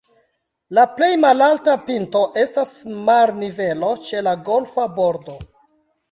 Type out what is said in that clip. La plej malalta pinto estas marnivelo ĉe la golfa bordo.